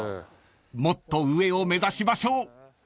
［もっと上を目指しましょう］